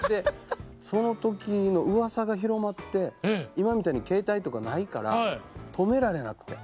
その時の噂が広まって今みたいに携帯とかないから止められなくて。